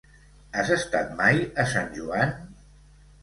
Has estat mai a Sant Joan?